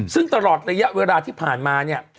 ซึ่งตลอดระยะเวลาที่ผ่านมาเนี่ย